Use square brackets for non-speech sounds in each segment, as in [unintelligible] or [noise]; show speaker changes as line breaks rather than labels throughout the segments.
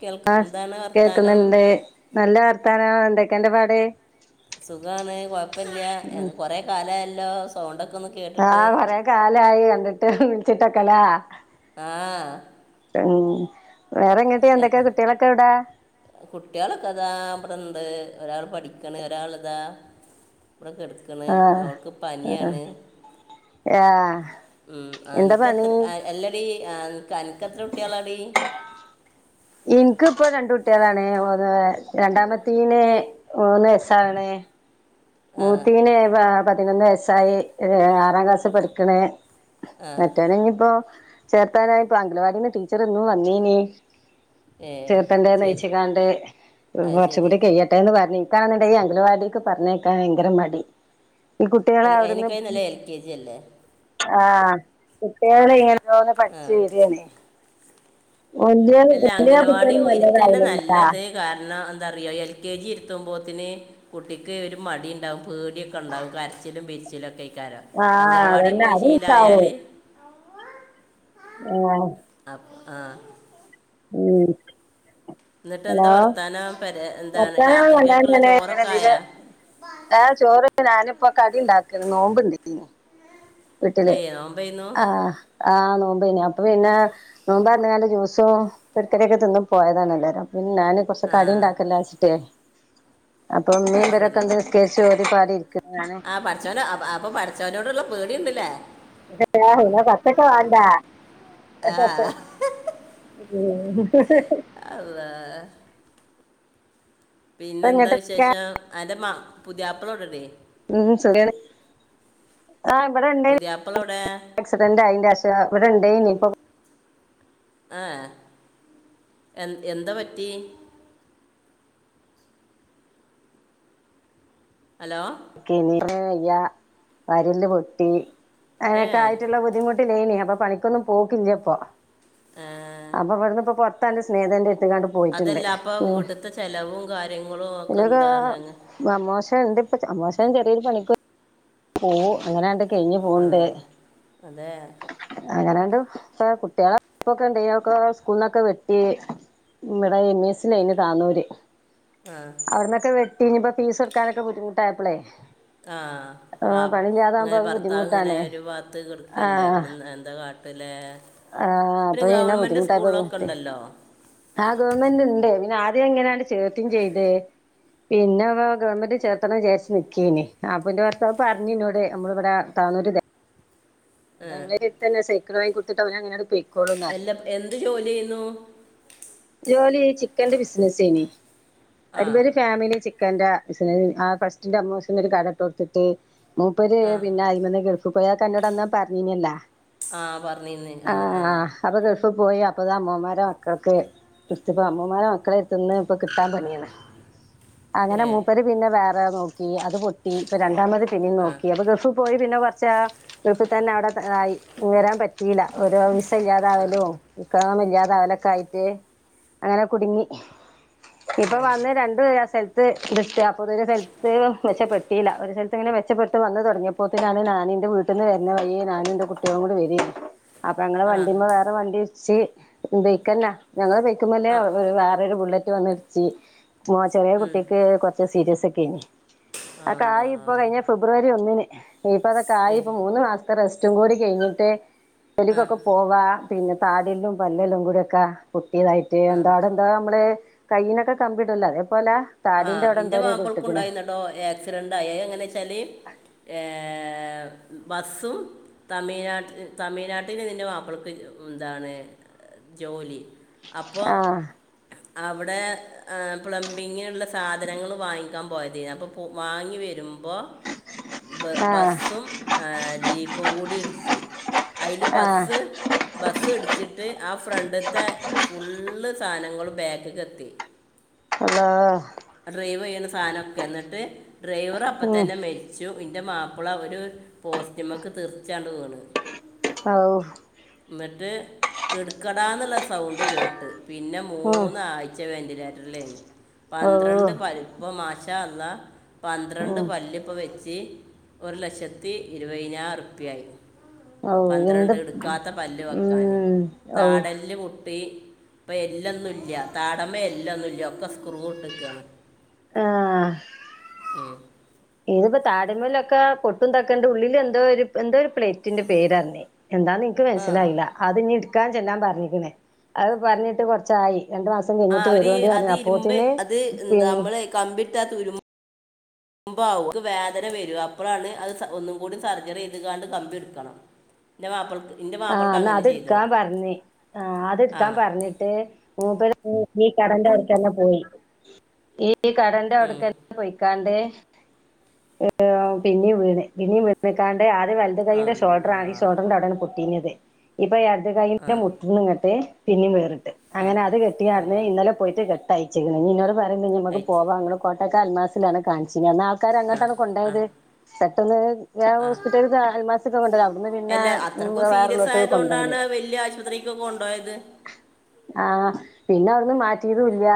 കേൾക്കും
ആ
എന്താണ് വർത്താനം
കേക്കുന്നുണ്ട് നല്ല വർത്താനണോ എന്തൊക്കെ എന്റെ പാട്
സുഖണ് കൊഴപ്പമില്ല കൊറെ കാലല്ലോ സോണ്ടൊക്കെന്ന്
ആഹ് കൊറെേ കാലായി കണ്ടിട്ട് വിൾച്ചിട്ടൊക്കെലാ
ആഹ്
ഉം വേറെങ്ങോട്ട്
എ-
എന്തൊക്കെ കുട്ടികളൊക്കെ ഇവിടാ
കുട്ടികളൊക്കെ ഇതാ അവിടെണ്ട് ഒരാൾ പഠിക്കണ ഒരാൾ ഇതാ ഇവിടെക്കെടുക്കണ്
ആഹ്
അവൾക്ക്
ആഹ്
പനിയാണ്
ആഹ്
ഉ
എന്താ പണി
എനക്ക്ത്രല്ല ആ അൻക്കത്ര ഒട്ടിയളാടി
എനിക്ക ഇപ്പോ രണ്ട കുട്ടികളാണ് ഒന്ന് രണ്ടാമത്തീന മൂന്ന് വയസ്സാണ്
ആ
മൂത്തിീന് പതിനൊന്ന് വയസ്സായി ആറാം ക്ലാസ് പഠിക്കണ
ആ
മറ്റോന ഇനിയിപ്പോ ചേർത്താനായി ഇപ്പൊ അംഗലവാടിന്ന് ടീച്ചർ ഇന്നും വെന്നീന
ഏ
ചീർപ്പന്റെ
ശരി
നെയയിച്ച കാണ്ട്
അത്
കുറച്ച
ശരി
കൂടി കൈ്യ ട്ടന്ന് പറഞ ഇൻക്കാണെങ്കി അംഗൻവാദിക്ക് പറഞ്ഞേക്കാ ഭയങ്കര മടി ഈ കുട്ടികളെ
എൽ-
അവിടുന്ന്
അതിനൊക്കെ ഇന്നലെ എൽ കെ ജി അല്ലേ
ആഹ് കുട്ടികള ഇങ്ങനെ ഓരോന്നു പഠിച്ചു
ആ
വരണേ ഓ ല്ല
എല്ലാ അംഗൽവാടിയും ഇരുത്തി തന്നെ നല്ലത് കാരണം എന്താറിയോ എൽ കെ ജി ഇരുത്തുമ്പോത്തിന് കുട്ടിക്ക് ഒരു മടി ഉണ്ടാവും പേടിയൊക്കെ ഉണ്ടാവും കരച്ചിലും പെരിച്ചിലും ഒക്കെ കാരം
ആഹ്
അംഗലവാടി
അതന്നെ
പോയി
അതുണ്ടാവും
ശീലയാല്
ആഹ്
അപ്പ് ആഹ്
ഉം
എന്നിട്ട് എന്താ
ഹലോ
വർത്താനം പെര എന്താണ്
ഒത്തന
രാത്രിക്കൊക്കെയുള്ള ചോറൊക്കെ ആയാ
[unintelligible] ആഹ് ചോറ് ഞാനിപ്പ കടി ഉണ്ടാക്ക നോമ്പുണ്ടന് വീട്ടിലെ
ഏ നോമ്പെയ്യുന്നു
ആഹ് ആഹ് നോമ്പേനി അപ്പൊ പിന്നെ നോമ്പൊർന്നണ്ട ജൂസോ പെക്കരിയൊക്കെ തിന്നും പോയതാണ് എല്ലരും അപ്പൊ പിന്നെ ഞാന് കുറച്
ആ
കടി ണ്ടാക്കല്ലച്ചിട്ടേ
അത് സെരി
ഓതിപ്പാടി ഇരിക്കാണ് ഞാന്
ആഹ് പഠിച്ചോന അപ്പൊ പടി താവിനോടുള്ള പേടിൻഡ്‌ലെ
ആഹ് പിന്നെ കൊറച്ചൊക്കെ വാണ്ടേ
ആ
അട്ട
അല്ലാഹ് പിന്നെ എന്താ
ഇങ്ങട്ടൊക്കെ
വിശേഷം അന്റെ പുതിയാപ്പിള ഇഡെഡി
ഉമ് സുഗാണ് ആഹ് ഇവടെ ണ്ട് [unintelligible]
പുതിയാപ്പിളോടെ
പ്രക്നന്റ് അയേന്റേശം ഇവിടെണ്ടേനിപ്പൊ
ആഹ് എ എന്താ പറ്റിയേ ഹലോ
[unintelligible] യ്യ വാരിയെല്ല് പൊട്ടി
ഏ
അങ്ങനെയൊക്കെ ആയിട്ടുള്ള ബുദ്ധിമുട്ട് ട്ടില്ലേനി അപ്പൊ പണിക്കൊന്നും പോക്ക്ല്ലപ്പോ
ആ,
അപ്പൊവിടന്ന് പ്പം പോ തന്റെ സ്നേഹിതന്റെ എത്തുകണ്ട്
അതല്ലപ്പൊ വീട്ടുത്തെ ചെലവും കാര്യങ്ങളും ഒക്കെ എന്താണ്ങ്ങ്
അമോശൻണ്ട്പ്പം അമോശൻ ചെറിയൊരു പണിക്ക് പോവും അങ്ങനെയണ്ട് കഴിഞ്ഞ്
ആ,
പോവ്ണ്ട്
അതെ
അങ്ങനെയണ്ട് ഇപ്പൊ കുട്ടികളെപ്പൊക്കെതെയ്യും സ്കൂളിന്നൊക്കെ വെട്ടി ഇവിടെ എം ഇ എസ്സിലെയിനി താന്നൂര്
ആഹ്
അവിടുന്നൊക്കെ വെട്ടി ഇനിപ്പോ ഫീസൊടുക്കാനൊക്കെുദ്ധിമുട്ടായപ്പോളേ
ആഹ് വാ ഇങ്ങനെ
അത്
ഭർത്താവ് ഇങ്ങനെ
ബുദ്ധിമുട്ടാണ്
ഒരു ഭാത്ത് കിടക്കല്ലേ
ആഹ്
പിന്നെ എന്താ കാ തല്ലേ
ആഹ് അപ്പൊ പിന്നെ
പ്പഗവൺമെന്റ്
ബുദ്ധിമുട്ടായപ്പോ
സ്കൂളി
നിർത്തി
ലൊക്കെണ്ടല്ലോ
ആഹ് ഗവൺമെന്റ്ണ്ട് പിന്നെ ആദ്യംങ്ങനെയാണ്ട് ചേർത്തിം ചെയ്ത് പിന്നെ വടെ ഗവൺമെന്റ് ചേർത്തണം ചാരിച്ച്നിക്കേനി അപ്പന്റെ ഭർത്താവ് പറഞ്ഞിന്നോട് നമ്മള് ഇവിടെ താന്നൂര്
ആ,
തകളേടെത്തന്നെ സൈക്കിൾ വാങ്ങി കൊടുത്തിട്ട് അവനങ്ങനെ അഡ് പോയകൊ
എല്ലം എന്ത് ജോലിചേയ്യുന്നു
ജോലി ചിക്കന്റെ ബിസിനസെയ്നി
ആ
അത് വര് ഫാമിലി ക്കന്റെ ബിസിനസ് ആ ഫസ്റ്റിന്റെ അമ്മോശൻ ഒരു കടെട്ടൊടുത്തിട്ട് മൂപ്പര്
ആ
പിന്നെ അതിമന്ന് ഗൾഫ്‌ക്ക [unintelligible] അന്നോടന്നപറഞ്ഞീനല്ലാ
ആഹ് പറഞ്ഞിന്ന് ആഹ് ആഹ്
അപ്പോ ഗൾഫ് പോയി അപ്പോ തമ്മോമാരെ മ ക്കക്ക് ഇടത്പ്പ അമ്മോമാരെ മക്കളെട്ത്ത്ന്ന് പ്പൊ കിട്ടാൻ പണിയാണ്
ഏ
അങ്ങനെ മൂപ്പര് പിന്നെ വേറെ നോക്കി അത് പൊട്ടി ഇപ്പ രണ്ടാമത് പിന്നിം
ആ
നോക്കി അപ്പോ ഗൾഫ് പോയി പിന്നെ കുറച്ച് ആഹ് ഗൾഫ്തന്നെ അവിടെത ആയി വരാൻ പറ്റില്ല ഒരു വിസ ഇല്ലാതാവലും ഇക്കാമഇല്ലാതാവലൊക്കായിട്ട് അങ്ങനെ കുടുങ്ങി
ഏ,
ഇപ്പൊ വന്ന് രണ്ട് ദിവസായി പ്പ്‌ [unintelligible] ഒരു സ്ഥലത്ത് മെച്ചപ്പെട്ടില്ല ഒരു സ്ഥലത്ത് ഇങ്ങനെ മെച്ചപ്പെട്ട് വന്ന് തുടങ്ങിയ പ്പോത്ത് ഞാൻ ഞാന്റെ വീട്ട്ന്ന് പിന്നെ വയ്യേ ഞാനുംന്റെ കുട്ട്യാളും കൂടി വരേനി അപ്പൊ ഞങ്ങളെ
ആ
വണ്ടിമ്മെ വേറൊരുവണ്ടി ച്ച് ബൈക്കന്നെ ഞങ്ങളെ ബൈക്കുമ്മലേ
ആ
വേറൊരു ബുള്ളറ്റ് വന്ന്ടിച്ച് മോ ചെറിയ
ഉം.
കുട്ട്യാക്ക് കൊറച്ച് സീരിയസൊക്കെനി അകായിപ്പൊ
അല്ലാ
കഴിഞ്ഞ ഫെബ്രുവരി ഒന്നിന് ഇനി പ്പൊ അതൊക്കായി
ഏ
ഇപ്പം മൂന്ന് മാ ത്തെ റെസ്റ്റും കൂടി കെഴിഞ്ഞ്ട്ട്
ആ
ജോലിക്കൊക്കെ പോവാ പിന്നെ താടിയെല്ലും പല്ലെല്ലും കൂടിയൊക്കെ പൊട്ടിയതായിട്ട്
ആ
എന്താട എന്താ നമ്മള് കൈയിനൊക്കെ കമ്പിടല്ലോ അതേപ്പോലെ
ആഹ് ഇന്റെ മാപ്പൾക്കും ഉണ്ടായിന്നുട്ടോ ആക്സിഡന്റ് ആയേ അയെങ്ങനെച്ചാല് ഏ ബസ്സും തമിഴ്നാട്ട്ൽ തമിഴ്നാട്ടില് ന്റെ മാപ്പൾക്ക് ന്താണ് ജോലി അപ്പോ
ആഹ്
അവ്ടെ ആഹ് പ്ലംബിങ്ന്ള്ള സാധനങ്ങൾ വാങ്ങിക്കാൻ പോയതനി അപ്പൊ മാങ്ങി വരുമ്പോ
ആഹ്
ബസും ജീപ്പും കൂടി ഇട്ച്ച് അയില്
ആഹ്
ബസ് ബസ്സ് ഇടിച്ചിട്ട് ആഹ് ഫ്രണ്ട്ത്തെ ഫുള്ള് സാധനങ്ങളും ബാക്ക്ക്കെത്തി
അള്ളാ
ഡ്രൈവെയ്യുന്ന സാനൊക്കെ ന്ന്ട്ട് ഡ്രൈവർ അപ്പ
ഉം
തന്നെ മരി ച്ചു ഇന്റെ മാപ്പിള ഒരു പോസ്റ്റിമ്മക്ക് തെർച്ചാണ്ട് വ്ണ്
ഹൌ
ന്ന്ട്ട് എട്ക്കടാന്നുള്ള സൗണ്ട് കേട്ട് പിന്നെ
ഉം
മൂന്ന ആയി ച്ച വെന്റിലേറ്ററിലെനി
ഔ
പന്ത്രണ്ട് പരിപ്പു മാഷാ അള്ളാ പന്ത്രണ്ട്
ഉം
പല്ലിപ്പ് വെച്ച് ഒരു ലക്ഷത്തി ഇരുവയിനായിരം റുപ്യാ ആയി
ഔ
പന്ത്രണ്ട്
എന്ത്
ഇട്ക്കാത്ത പല്ല് വെക്കാന്
ഉം ഔ
താടല് ട്ടീ ഇപ്പ എല്ല്ന്നും ഇല്ല താടമ എല്ല്ന്നുല്ല ഒക്ക കുറ് വ്ട്ടക്കാണ് ഉം
ഇത് പ്പോ താടിമലൊക്കെ പൊട്ടും തക്കേണ്ട് ഉള്ളിൽ എന്തോ എന്തോ രു പ്ലേറ്റിന്റെ പേര്ഞ്ഞേ എന്താ നീ ക്ക്
ആ
മനസ്സിലായില്ലഅത് ഞ്ഞ് ഇട്ക്കാന് ചെലാൻ പറഞ്ഞ് ക്ക്ണ് അഹ് പറ്ഞ്ഞ്ട്ട് കൊർച്ചായി രണ്ട്
ആഹ് ഒര് അത് ഇര്മ്പ് അത് എന്താ
പിൻ
നമ്മള് കമ്പിട്ട തുരു ഭവും വേദന വരും അപ്പോഴാണ് അഹ് ഒന്നും കൂടി സർജറി ചെയ്ത് കാണ്ട് കമ്പിട്ക്കണം
അ [inaudible]
ന്റെ മപ്പൾക്ക് ഇന്റെ
ആഹ് എന്നാ അത് ട്ക്കാൻ പറഞ്ഞ് ആഹ് അത്
ആ
ട്ക്കാൻ പറഞ്ഞ്ട്ട് ഈ കടന്റെ അവ്ട്ക്കന്നെ പോയി ഈ കടന്റെ
ഉം.
അവ്ട്ക്ക പൊയ്ക്കാണ്ട് പിനിം വീണ് പിനിം വീണ്ക്കാണ്ട് ആദ്യ വ മുട്ട് കൈയ്യിന്റെ
അല്ലാ
ഷോഡറായി ഷോഡറിന്റെ അടെ പോ തിഞ്ഞതെ ഇപ്പൊ എട്തെ
ആ
കൈന്റെ മുട്ടന്ന് ഇങ്ങട്ട് പിന്നും വേറ്ട്ട്
ആ
അങ്ങനെ അത്
ആ
കെട്ടിയട്ന്ന് ഇന്നലെ പോയിട്ട് കെട്ടയിച്ച് ഇനി ഇ പറഞ്ഞ് നമക്ക്
അയച്ച്
പോവാ കോട്ടക്ക അൽമാസിലാണ് കാണിച്ചിനെ ആൾക്കാർ
ആ
അങ്ങോട്ടാണ്
ആ
കൊണ്ടയത്
ആ
പെട്ടെന്ന് ഹോസ്പിറ്റല് അൽമാസക്കെ കൊണ്ടര അവിട്ന്ന് പിന്നെ
അല്ല
ഉം
അത്രക്കും സീരിയസ്
വേറെള്ളോട്ത്ത്ക്ക്
ആയതു
കൊണ്ടോവല്
കൊണ്ടാണ് വലിയ ആശുപത്രിക്ക് കൊണ്ടോയത്
ആഹ് പിന്നെ അവ്ന്ന് മാറ്റിയതും ഇല്ല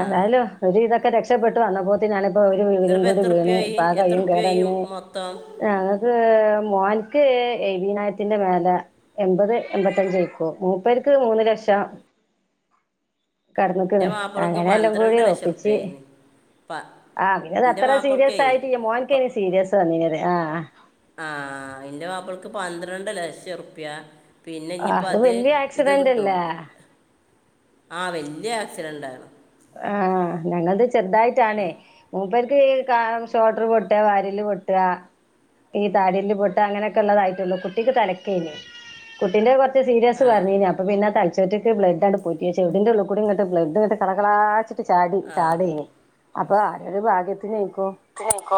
ആ
തായാലോ ഒര് ഇതൊക്കെ രക്ഷപ്പെട്ടു വന്നപ്പോത്തി നാണ് പ്പോ ഒരു
എന്നിട്ട്
വീരും കൂടി വീണ് പാ കൈയും കേടന്ന്
മോതം
ഞങ്ങക്ക് മോൻക്ക് എ വി നായത്തിന്റെ മേലാ എൺപത് എൺമ്പത്തഞ്ചയ്ക്കൊ മൂപ്പർക്ക് മൂന്ന് ലക്ഷാ കെടന്നുക്ക്ണ്
എൻ്റെ മാപ്പിളക്ക്
അങ്ങനെ എല്ലാം കൂടി
പന്ത്രണ്ട് ലക്ഷം
ഒപ്പിച്ച്
ഉറുപ്പ്യായിന്ന് പ
ആ പിത്
എൻ്റെ
അത്ര
മാപ്പിളക്കേ
സീരിയസ് ആയിട്ടി മോൻിക്കെ സീരിയസ്ന്നിങ്ങനെ ആഹ്
ആഹ ന്റെ മാപ്പിളക് പന്ത്രണ്ട് ലക്ഷം റുപ്യ പിന്നെ ഇനിയിപ്പൊ അത്
വല്യ
ഇത് കിട്ടും
ആക്സിഡന്റല്ലേ
ആ വലിയ ആക്സിഡന്റ് ആണ്
ആ ഞങ്ങളത് ചെറ്തായിട്ടാണേ മൂപ്പർക്ക് ഈ കാ ഷോൾട്ടർ പൊട്ടുക വാര്യല്ല് പൊട്ടുക ഈ താടി പൊട്ട അങ്ങനൊക്കെ ഉള്ളതായിട്ടേള്ളൂ കുട്ടിക്ക് തനക്കായിന് കുട്ടീന്റെ കൊറച്ച് സീരിയസ്
ആ
പറഞ്ഞഴ്ഞ്ഞ് അപ്പ പിന്നെ തച്ചറ്റോ ച്ച്ക്ക് ബ്ലഡാണ് പോറ്റി ചെവിടിന്റെ ഉള്ളൂകൂടി ഇങ്ങട്ട് ബ്ലഡ്‌ ചറകളച്ചിട്ട് ചാടി ചാടേഞ്ഞി അപ്പൊ ആരെ ഒരു ഭാഗ്യത്തിനിയിക്കോ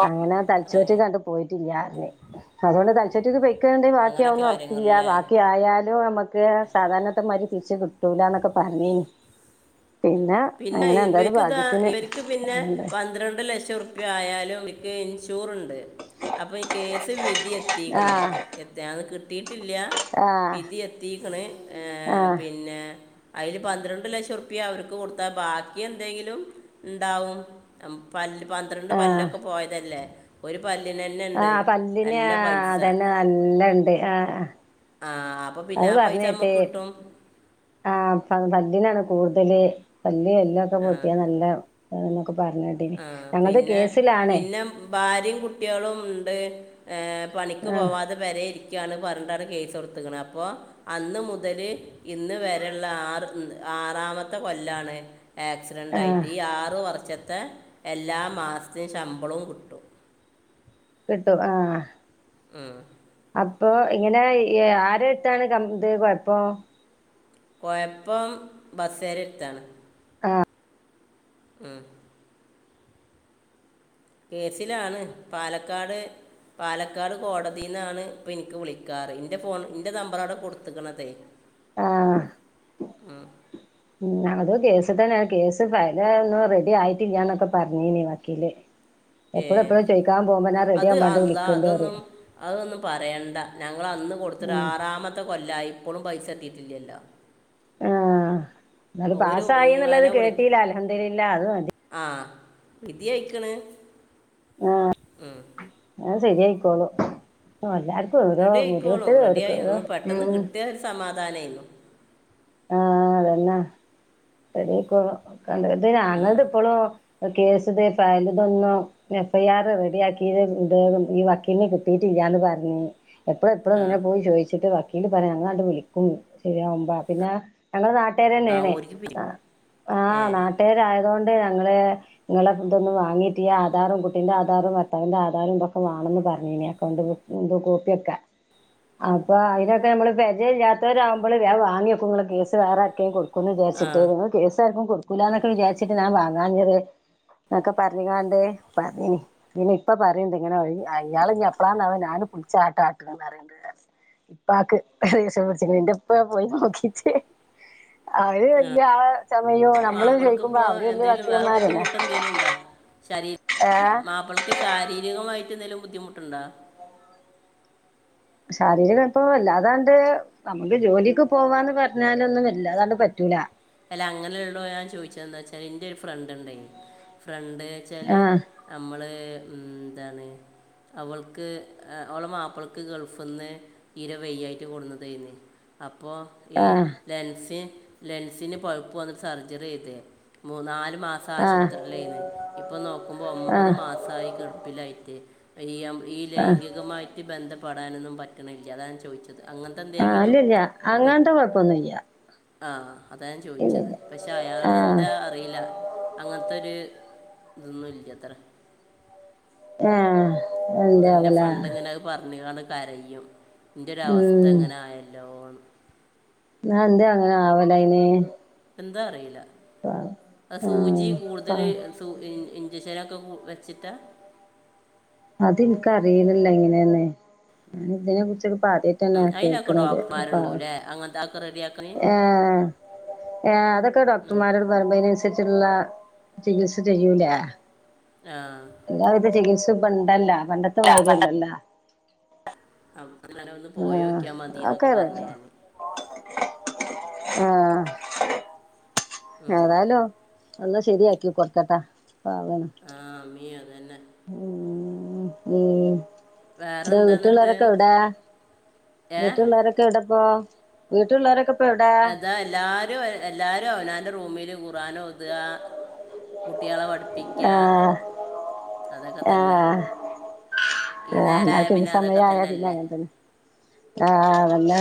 അങ്ങനെ തലച്ചോറ്റിൽ കണ്ടു പോയിറ്റില്യാറഞ്ഞ് അതുകൊണ്ട് തലച്ചോറ്റിക്ക് പെയ് ക്കെണ്ട്
അങ്ങനൊക്കെ
ബാക്കിയാകന്നും റർപ്പല്ല
കാര്യങ്ങളല്ലേ
ബാക്കി ആയാല് നമുക്ക് സാധാരണത്തെമാതിരി തിരിച്ചു കിട്ടൂലന്നൊക്കെ പറഞ്ഞേന്
പിന്നെ
എന്തായാലും
ഇവർക്ക് ഇതാ
ഭാഗ്യത്തിന്
ഇവർക്ക് പിന്നെ പന്ത്രണ്ട് ലക്ഷംറുപ്പീ ആയാലുംക്ക് ഇൻഷൂർ ഉണ്ട് അപ്പോൾ ഈ കേസ് വിധി
ആഹ്
എത്തിക്ക്ണ്
ആഹ്
എന്ന് കിട്ടിട്ടില്ല
ആഹ്
പിതി എത്തിക്കണ് ഏർ
ആഹ്
പിന്നെ അയില് പന്ത്രണ്ട് ലക്ഷം റുപ്യ അവർക്ക് കൊടുത്ത ബാക്കി എന്തെങ്കിലും ണ്ടാവും പന്ത്രണ്ട്
ആഹ്
പല്ലൊക്കെ പോയതല്ലേ ഒരു പല്ലിനന്നെ ണ്ട്
ആഹ് പല്ലിന്
നല്ല പൈസ
അതന്നെ നല്ലണ്ട് ആഹ്
ആഹ അപ്പൊ പിന്നെ
അത്
ആ പൈസ
പറഞ്ഞേട്ട്
നമ്മക്ക് കിട്ടും
ആഹ് പല്ലിനാണ് കൂടുതല് പല്ല് എല്ലൊക്കെ
ആ
പൊട്ടിയാ നല്ല എന്നൊക്കെ പറഞ്ഞ് കേട്ടിനി
ആ
ഞങ്ങൾത്
പിന്നെ
കേസിലാണ്.
പിന്നെ ഭാര്യയും കുട്ടികളും ഉണ്ട്, പണിക്ക്
ആഹ്
പോവാതെ പെരേഇരിക്കയാണ് പറഞ്ഞിട്ടാണ് കേസ് കൊടുത്തിക്കണ അപ്പൊ അന്ന് മുതല് ഇന്ന് വരെയുള്ള ആർ ആറാമത്തെ കൊല്ലാണ്. ആക്സിഡന്റ് ആയിട്ട്
ആഹ്
ഈ ആറ് വർഷത്തെ എല്ലാ മാസത്തെ ശമ്പളവും കിട്ടും.
കിട്ടും ആഹ്
ആഹ്.
അപ്പോ ഇങ്ങനെ ആരെടുത്താണ് ക ഇത് കൊയപ്പം.
കൊഴപ്പം ബസ്സാരെടുത്താണ്.
ആഹ്
ഉം കേസിലാണ് പാലക്കാട് പാലക്കാട് കോടതിന്നാണ് ഇപ്പൊ എനിക്ക് വിളിക്കാറ്, ഇന്റെ ഫോൺ ഇന്റെ നമ്പറാ അവിടെ കൊടുത്ത്ക്കണതേ
ആഹ്
ആഹ്
ഉം ഞങ്ങൾതും കേസ് തന്നെയാ കേസ് ഫയല് ഒന്നും റെഡി ആയിട്ടില്ലന്നൊക്കെ പറഞ്ഞീനി വക്കീല്. എപ്പഴും
ഏ
എപ്പഴും ചോയിക്കാൻ പോകുമ്പോ ഞാൻ റെഡി
അത്
ആവാൻ വേണ്ടി
അല്ലാഹ്
വിളിക്കണ്ട്
അതൊന്നും
പറയും
അതൊന്നും പറയണ്ട, ഞങ്ങൾ അന്ന് കൊടുത്തിട്ട്
ഉം
ആറാമത്തെ ത്തെ കൊല്ലായി ഇപ്പോഴും പൈസ എത്തിയിട്ടില്ലല്ലോ.
ആഹ് എന്നാല്
ഒരു
പാസായി എന്നുള്ളത് കേട്ടട്ടീലാ അൽഹംദുലില്ലാഹ് അത് മതി.
ആഹ്‌ വിധി ആയിക്കണ്.
ആഹ് അത് ശരിയായിക്കോളും എല്ലാർക്കും ഓരോ
റെഡി
ഓരോരുത്തര് ഓരോ, ഉം
സമാധാനേനു.
ആഹ് അതന്ന റെഡിയായിക്കോളും ഇത്
ഉം.
ആങ്ങളന്റേത് ഇപ്പോളും കേസ്തെ ഫയലിതൊന്നും. എഫ് ഐ ആർ റെഡിയാക്കിയത് ഇണ്ട് ന്നും ഈ വക്കീലിന് കിട്ടിയിട്ടില്ലാന്ന് പറഞ്ഞ്. എപ്പളും എപ്പളും
ആ
ങ്ങനെ പോയി ചോദിച്ചിട്ട് വക്കീല് പറയാ ഞങ്ങള് അങ്ങാട്ട് വിളിക്കും ശരിയാവുമ്പോ പിന്നെ ഞങ്ങളെ നാട്ടാര്
ആ
തന്നെണ്
ഓരിക്ക് പി ഏ
ആഹ് നാട്ടുകാർ ആയതുകൊണ്ട് ഞങ്ങള് നിങ്ങളെ ഇതൊന്ന് വാങ്ങീട്ടില്ല ആധാറും കുട്ടിന്റെ ആധാറും ഭർത്തവിന്റെ ആധാറും ഇതൊക്കെ വാണന്ന് പറഞ്ഞിനി അക്കൗണ്ടില് എന്തോ കോപ്പിയൊക്കെ അപ്പൊ അതിനൊക്കെ നമ്മള് പരിചയം ഇല്ലാത്തോരാവുമ്പോൾ വേഗം വാങ്ങിക് കേസ് വേറെ ആർക്കേ കൊടുക്കും എന്ന്
ആ
വിചാരിച്ചിട്ട് ഞങ്ങൾ കേസ് ആർക്കും കൊടു ക്കൂലന്നൊക്കെ വിചാരിച്ചിട്ട് ഞാൻ വാങ്ങാഞ്ഞത് എന്നൊക്കെ പറഞ്ഞ്കാണ്ട് പറഞ്ഞിനി. ഇനി ഇപ്പൊ പറയ്ണ്ട് ഇങ്ങനെ ഒഴി അയാളിഞ്ഞ് എപ്പളാണാവോ ഞാന് പിടിച്ചാട്ടാ ആട്ടന്ന് പറിയിണ്ട്. ഇപ്പാക്ക് ദേശ്യം പുടിച്ച്ക്ക്ണ് എന്റെപ്പ പോയി നോക്കി.
ആഹ്
ആളെ ചമയോ നമ്മള് ചോദിക്കുമ്പോ
മാപ്പൾക്കിപ്പോ
അവര് വല്യ
എന്തേലും വേറെ
വക്കീലന്മാരല്ലേ
ബുദ്ധിമുട്ട് എന്തെലും ഉണ്ടോ? ശരിര്
ഏഹ്
മാപ്പിളക്ക് ശാരീരികമായിട്ട് എന്തെങ്കിലും ബുദ്ധിമുട്ടുണ്ടോ?
ശാരീരികൽപ്പൊ വല്ലാതാണ്ട് നമുക്ക് ജോലിക്ക് പോവാന്ന് പറഞ്ഞാലൊന്നും വല്ലാതാണ്ട് പറ്റൂല.
അല്ല അങ്ങനെ ഇള്ളോലാ ഞാൻ ചോദിച്ചന്താ വച്ചാല് എന്റെ ഒരു ഫ്രണ്ട് ഇണ്ടയ് ഫ്രണ്ട് വെച്ചാല്
ആഹ്
അമ്മള് ഉം എന്താണ്. അവൾക്ക് ഓളെ മാപ്പിളക്ക് ഗൾഫിന്ന് തീരെ വയ്യായിട്ട് കൊടന്നതെയിന്ന്. അപ്പോ. ഈ
ആഹ്
ലെൻസി ലെൻസിന് പഴുപ്പ് വന്നിട്ട് സർജറി ചെയ്ത് മൂന്നാലു മാസ്
ആഹ്
ആശുപത്രിയിലെന്ന് ഇപ്പോ നോക്കുമ്പോ ഒമ്പത്
ആഹ്
മാസായി കെടപ്പിലായിട്ട്. ഈ ഈ
ആഹ്
ലൈംഗികമായിട്ട് ബന്ധപ്പെടാനൊന്നും പറ്റണില്ല അതാണ് ഞാൻ ചോദിച്ചത് അങ്ങനത്തെ
ആഹ്
എന്തെങ്കിലും
അല്ലല്ല അങ്ങനത്തെ കൊഴപ്പൊന്നുല്യ.
ആഹ് അതാ ഞാൻ ചോദിച്ചത്, പക്ഷേ അയാൾ
ആഹ്
എന്താ അ അറിയില്ല അങ്ങനത്തൊരു ഇതൊന്നും ഇല്ലത്ര
ആഹ്
ഇന്നലെ എന്റെ
എന്താവല
ഫ്രണ്ട് ഇങ്ങനെ അത് പറഞ്ഞ്കാണ്ട് കരയും ഉന്റൊരു അവസ്ഥ
ഉം
ഇങ്ങനെ ആയല്ലോന്ന്
ന്നാ എന്തേ അങ്ങനെ ആവല അയ്ന്
എന്താ അറിയില്ല ആഹ് സൂചി കൂടുതൽ
ആഹ്
സൂ ഇഞ്ചക്ഷനൊക്കെ വെച്ചിട്ട
അത് ഇൻക്ക അറീലല്ലോ എങ്ങനേന്ന് ഞ്ഞി ഇതിനെ കുറിച്ചൊക്കെ പറി ന്നെ
ഉം, അതിനൊക്കെ
കേക്ക്ണന്നത്പ്പ
ഡോക്ടർമാരുണ്ടാവും അല്ലേ അങ്ങനത്തെ ഒക്കെ റെഡിയാക്കാൻ
ഏഹ് ഏ അതൊക്കെ ഡോക്ടർമാരോട് പരമ്പനനുസരിച്ചുള്ള ചികിത്സ ചെയ്യൂലേ
ആഹ്
എല്ലാവിധ ചികിത്സപ്പണ്ടല്ല പണ്ടത്തെ മാതിരി അല്ലല്ലാ
ആഹ് അങ്ങനെ ഒന്ന്
ആഹ്
പോയോക്ക്യാ മതി
ഒക്കെ
എന്നൊക്കെ
റെഡി
പറഞ്ഞ് ഞാന്
ആഹ് ഏതായാലോ എല്ലാം ശരിയാക്കി കൊടുക്കട്ടാ പ വേണം
ആഹ് ആമീൻ അതന്നെ
ഉം ഉം
വേറെ
ഇതാ
എന്താ എന്നിട്ട്
വീട്ടള്ളരൊക്കെ എവിട
ഏ
വീട്ടള്ളരൊക്കെ ഇടപ്പ വീട്ടള്ളരൊക്കെ
അതാല്ലാ എല്ലാരും അവനാന്റെ റൂമിൽ ഖുർആാനോതാ കുട്ടികളെ പഠിപ്പിക്ക ക്ക്യാ
ആഹ് ആഹ്
ഈ നേരമായ
ആക്കപിന്നെ
പിന്നെ അതൊക്കെ
സമയായാ
തന്നെ
പിന്നെ
അല്ലേ
അങ്ങന തന്നെ ആഹ് അതന്നെ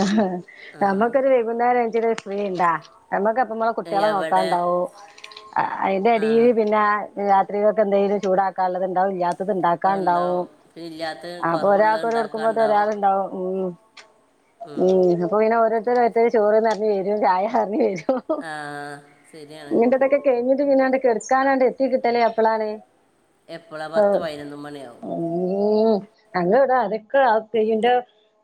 ആ.
നമ്മക്കൊരു മരുന്നേരം അഞ്ചര ഫ്രീ ഉണ്ടാ നമ്മക്കപ്പ കുട്ടികളെ
എവിടെ
നോക്കാണ്ടാവും അതിന്റെ
ആ
എടീൽ പിന്നെ രാത്രികൾക്കെ എന്തെലും ചൂടാക്കാനുള്ളത് ഉണ്ടാവും ഇല്ലാ ത്
അതുണ്ടാവും
ഇണ്ടാക്കാണ്ടാവും
പിന്നെ ഇല്ലാത്ത
അപ്പൊ
കുറവുള്ളത്
ഒരാൾക്ക് ഒല്ട്ക്കുമ്പോത്ത്
ഉണ്ടാക്കാണ്ടാവും
ഒരാൾണ്ടാവും ഉും
ഉം.
ഉും അപ്പൊ പിന്നെ ഓരോരുത്തരു ചോറ് ന്ന്റഞ്ഞ് വരും ചായറ്ഞ്ഞ് വരും.
ആ ശരിയാണ്
ഇങ്ങട്ട് ഇതൊക്കെ കഴിഞ്ഞിട്ട് പിന്നാണ്ട് കെടക്കാനാണ്ട് എത്തി കിട്ടലേ എപ്പളാണ്.
എപ്പളാ പത്ത് പയിനൊന്നും മണിയാവും.
ഉും ഞങ്ങള് വടെ അത്യാക്കെ ആ ക്ഈന്റെ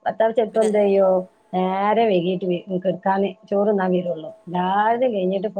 ഭർത്താവ് ചെൽപ്പം
പിന്നെ
എന്തായ്യും നേരെ വൈകീട്ട് വരും കേട്കാന് ചോറ്ന്നാ വരുള്ളൂ. ലാര്തും കഴിഞ്ഞിട്ട് പോ